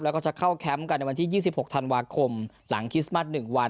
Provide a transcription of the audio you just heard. แล้วก็จะเข้าแคมป์กันในวันที่๒๖ธันวาคมหลังคริสต์มัส๑วัน